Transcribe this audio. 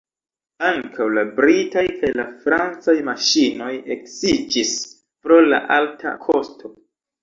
Ankaŭ la britaj kaj la francaj maŝinoj eksiĝis pro la alta kosto.